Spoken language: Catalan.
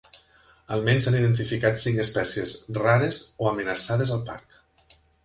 Al menys s'han identificat cinc espècies rares o amenaçades al parc.